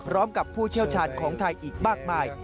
ร้องกับผู้เที่ยวชันของไทยอีกมากมาย